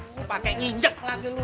lu pake nginjek lagi lu